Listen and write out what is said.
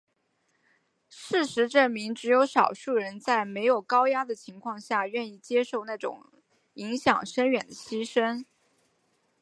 事实证明只有少数人在没有高压的情况下愿意接受那种影响深远的牺牲。